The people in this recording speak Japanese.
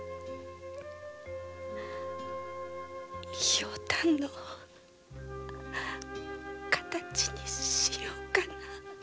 ひょうたんの形にしようかな？